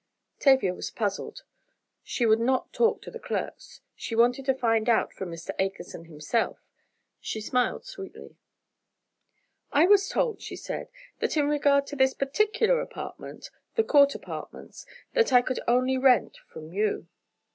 Tavia was puzzled. She would not talk to the clerks, she wanted to find out from Mr. Akerson himself. She smiled sweetly. "I was told," she said, "that in regard to this particular apartment, the Court Apartments, that I could only rent from you."